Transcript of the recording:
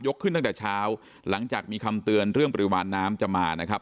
ขึ้นตั้งแต่เช้าหลังจากมีคำเตือนเรื่องปริมาณน้ำจะมานะครับ